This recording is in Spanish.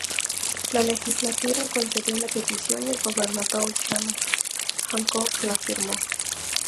La legislatura concedió la petición y el gobernador John Hancock la firmó.